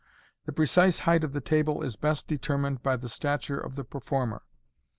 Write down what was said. The precise height of the table is best determined by the stature of the performer.